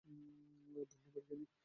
ধন্যবাদ, কেনি।